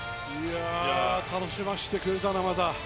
楽しませてくれたな、また。